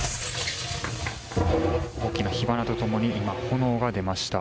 大きな火花と共に炎が出ました。